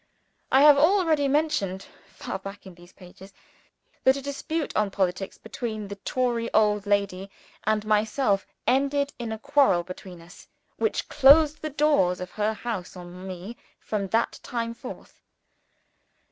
I have already mentioned, far back in these pages, that a dispute on politics between the Tory old lady and myself ended in a quarrel between us, which closed the doors of her house on me from that time forth.